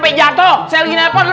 beli kertas di cikini